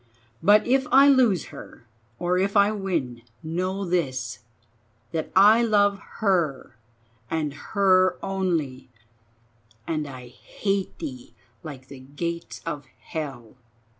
But if I lose her or if I win, know this, that I love her and her only, and I hate thee like the gates of hell.